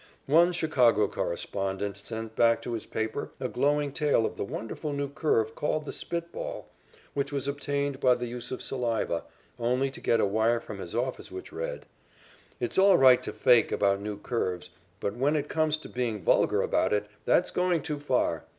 One Chicago correspondent sent back to his paper a glowing tale of the wonderful new curve called the "spit ball," which was obtained by the use of saliva, only to get a wire from his office which read: "It's all right to 'fake' about new curves, but when it comes to being vulgar about it, that's going too far.